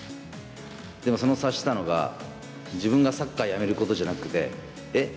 でもその察したのが、自分がサッカーやめることじゃなくて、え？